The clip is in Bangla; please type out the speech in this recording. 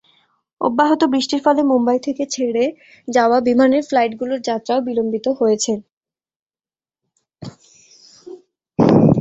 অব্যাহত বৃষ্টির ফলে মুম্বাই থেকে ছেড়ে যাওয়া বিমানের ফ্লাইটগুলোর যাত্রাও বিলম্বিত হয়েছে।